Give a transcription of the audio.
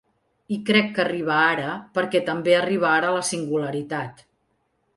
I crec que arriba ara perquè també arriba ara la singularitat.